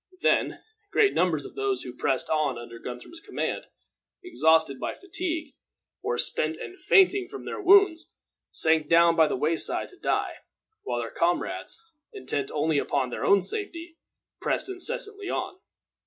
Then, great numbers of those who pressed on under Guthrum's command, exhausted by fatigue, or spent and fainting from their wounds, sank down by the way side to die, while their comrades, intent only upon their own safety, pressed incessantly on.